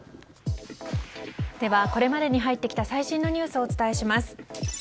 では、これまでに入ってきた最新のニュースをお伝えします。